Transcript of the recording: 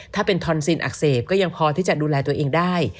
ถ้าเป็นทอนซินอักเสบก็ยังพอที่จะดูแลตัวเองได้